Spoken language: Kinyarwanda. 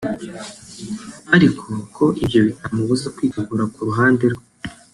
ariko ko ibyo bitamubuza kwitegura ku ruhande rwe